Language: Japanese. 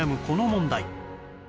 この問題